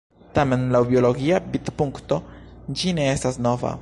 Tamen, laŭ biologia vidpunkto, ĝi ne estas nova.